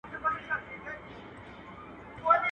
ولاړم د جادو له ښاره نه سپینیږي زړه ورته.